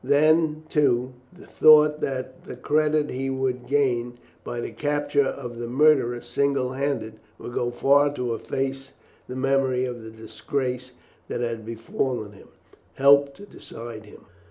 Then, too, the thought that the credit he would gain by the capture of the murderer single handed would go far to efface the memory of the disgrace that had befallen him, helped to decide him.